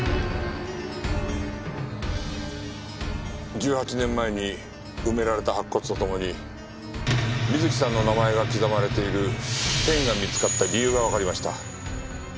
１８年前に埋められた白骨と共に瑞希さんの名前が刻まれているペンが見つかった理由がわかりました。